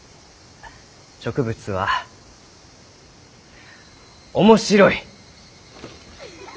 植物は面白い！